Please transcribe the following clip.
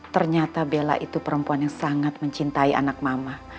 ternyata bella itu perempuan yang sangat mencintai anak mama